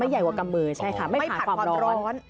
ใหญ่กว่ากำมือใช่ค่ะไม่ผัดความร้อน